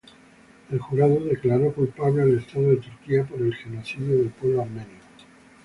El jurado declaró culpable al estado de Turquía por el genocidio del pueblo armenio.